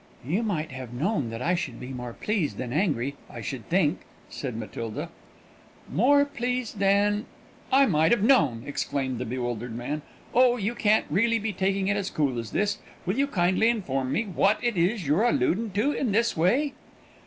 "You might have known that I should be more pleased than angry, I should think," said Matilda. "More pleased than I might have known!" exclaimed the bewildered man. "Oh, you can't reely be taking it as cool as this! Will you kindly inform me what it is you're alludin' to in this way?"